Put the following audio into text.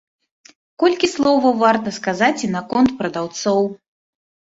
Колькі словаў варта сказаць і наконт прадаўцоў.